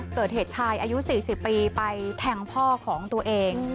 เกิดเหตุชายอายุ๔๐ปีไปแทงพ่อของตัวเอง